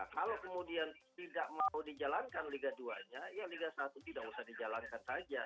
kalau kemudian tidak mau dijalankan liga dua nya ya liga satu tidak usah dijalankan saja